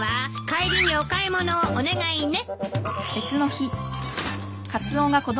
帰りにお買い物をお願いね。